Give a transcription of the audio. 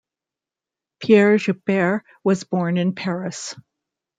Pierre Joubert was born in Paris.